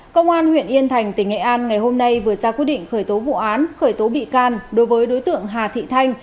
công an huyện yên thành tỉnh nghệ an ngày hôm nay vừa ra quyết định khởi tố vụ án khởi tố bị can đối với đối tượng hà thị thanh